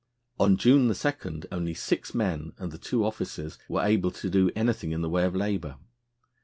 On June 2 only six men and the two officers were able to do anything in the way of labour.